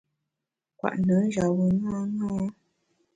Kwet nùn njap bùn ṅaṅâ.